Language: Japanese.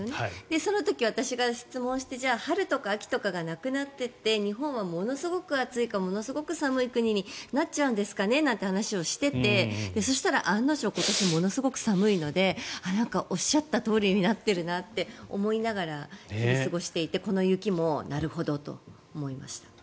その時、私が質問してじゃあ春とか秋とかがなくなってって日本はものすごく暑いかものすごい寒い国になっちゃうんですかねという話をしていてそしたら案の定今年はものすごく寒いのでおっしゃったとおりになってるなって思いながら過ごしていてこの雪もなるほどと思いました。